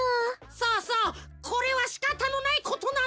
そうそうこれはしかたのないことなんだ。